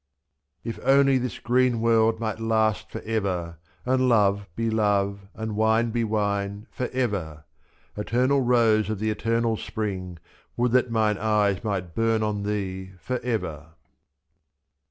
If only this green world might last for ever. And love be love, and wine be wine for ever ! 2^' Eternal Rose of the Eternal Spring, Would that mine eyes might burn on thee for ever.